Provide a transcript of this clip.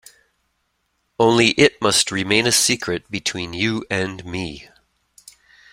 Only it must remain a secret between you and me.